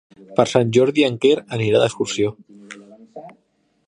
Per Sant Jordi en Quer anirà d'excursió.